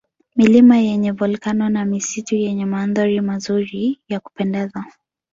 Milima yenye Volkano na misitu yenye mandhari mazuri ya kupendeza